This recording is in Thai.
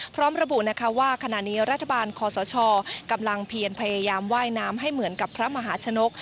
พร้อมระบุนะคะว่าขณะนี้รัฐบาลคอสชกำลังเพียนพยายามว่ายน้ำให้เหมือนกับพระมหาชนก